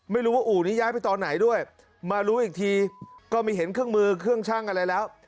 ไม่รู้ว่าอู่นี้ย้ายไปตอนไหนด้วยมารู้อีกทีก็ไม่เห็นเครื่องมือเครื่องชั่งอะไรแล้ว